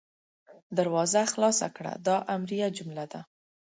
دروازه خلاصه کړه – دا امریه جمله ده.